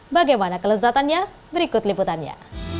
bagaimana kelezatannya berikut liputannya